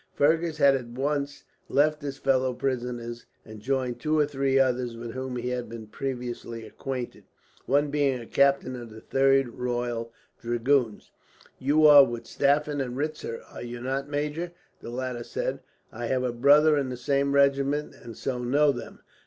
Fergus had at once left his fellow prisoners and joined two or three others with whom he had been previously acquainted, one being a captain of the 3rd Royal Dragoons. "You are with Stauffen and Ritzer, are you not, major?" the latter said. "I have a brother in the same regiment, and so know them.